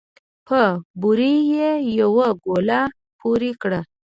په بوړ يې يوه ګوله پورې کړه